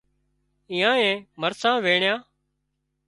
ايئانئي مرسان وينڻيان